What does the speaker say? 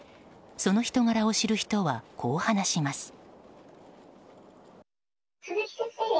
その人柄を知る人はこう話します。